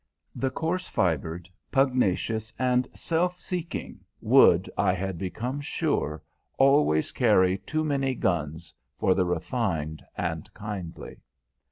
The coarse fibred, pugnacious, and self seeking would, I had become sure, always carry too many guns for the refined and kindly.